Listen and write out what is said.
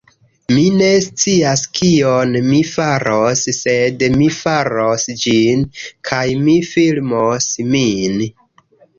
Mi ne scias kion mi faros, sed mi faros ĝin, kaj mi filmos min.